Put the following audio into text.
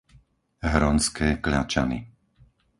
Hronské Kľačany